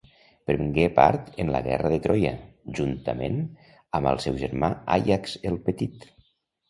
Prengué part en la guerra de Troia juntament amb el seu germà Àiax el Petit.